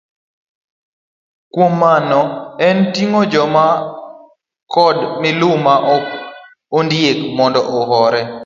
Kuom mano en ting' joma chuo man koda miluma mar ondiek mondo ohore.